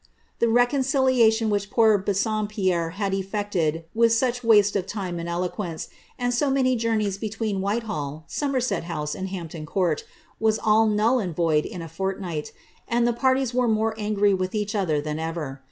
The reconciliation which poor Bassompierre had efiected with such waste of time and eloquence, and so many journeys between Whitehall, Somerset House, and Hampton Court, was all null and void in a fortnight, and tlie parties more angry with each other than ever.